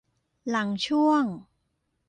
หลังช่วง